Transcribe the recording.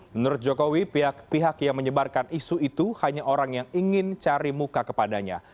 menurut jokowi pihak pihak yang menyebarkan isu itu hanya orang yang ingin cari muka kepadanya